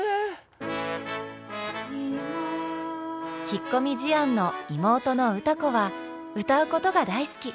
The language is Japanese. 引っ込み思案の妹の歌子は歌うことが大好き。